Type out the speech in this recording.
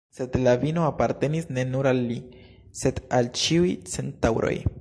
Sed la vino apartenis ne nur al li, sed al ĉiuj centaŭroj.